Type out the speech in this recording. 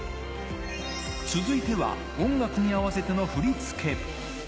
続いては音楽に合わせての振り付け。